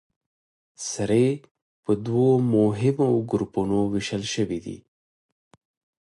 سرې په دوو مهمو ګروپونو ویشل شوې دي.